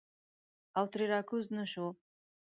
او ترې راکوز نه شو.